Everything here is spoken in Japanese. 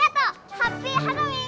ハッピーハロウィン！